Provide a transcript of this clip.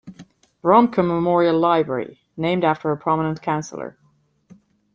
Romke Memorial Library, named after a prominent Councillor.